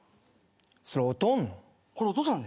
それおとんの。